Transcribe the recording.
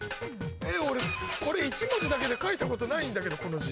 俺これ１文字だけで書いたことないんだけどこの字。